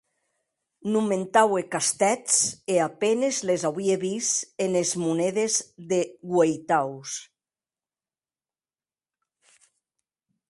Nomenaue castèths e a penes les auie vist enes monedes de ueitaus.